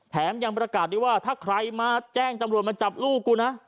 ยังประกาศได้ว่าถ้าใครมาแจ้งตำรวจมาจับลูกกูนะ